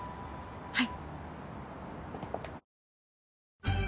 はい。